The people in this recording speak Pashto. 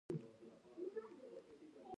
تاويز يې راوايست يو دم يې چيغه کړه وه خدايه.